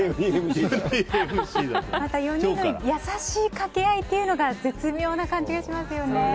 また４人の優しい掛け合いが絶妙な感じがしますよね。